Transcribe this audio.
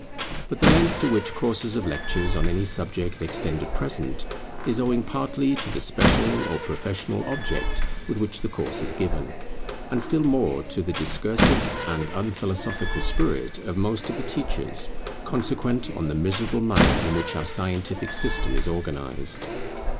But the length to which courses of lectures on any subject extend at present, is owing partly to the special or professional object with which the course is given, and still more to the discursive and unphilosophical spirit of most of the teachers, consequent on the miserable manner in which our scientific system is organized.